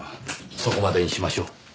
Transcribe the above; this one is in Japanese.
そこまでにしましょう。